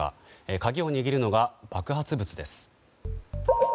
鍵を握るのが、爆発物です。